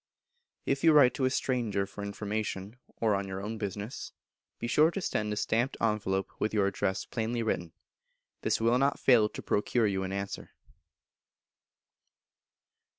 If you write to a Stranger for information, or on your own business, be sure to send a stamped envelope with your address plainly written; this will not fail to procure you an answer.